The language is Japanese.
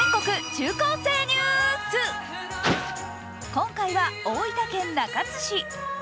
今回は大分県中津市。